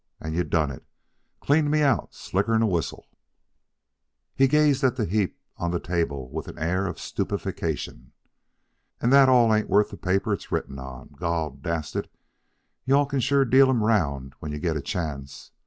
And you done it cleaned me out slicker'n a whistle." He gazed at the heap on the table with an air of stupefaction. "And that all ain't worth the paper it's written on. Gol dast it, you all can sure deal 'em 'round when you get a chance.